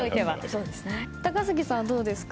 高杉さん、どうですか？